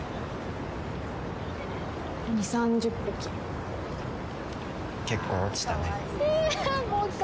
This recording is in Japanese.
「２０３０匹」「結構落ちたね」